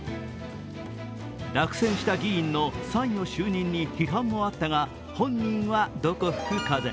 落選した議員の参与就任に批判もあったが、本人はどこ吹く風。